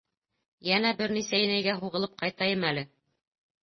Йәнә бер нисә инәйгә һуғылып ҡайтайым әле.